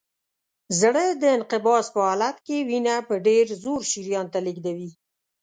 زړه د انقباض په حالت کې وینه په ډېر زور شریان ته لیږدوي.